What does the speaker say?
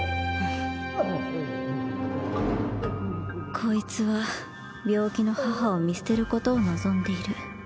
こいつは病気の母を見捨てることを望んでいる。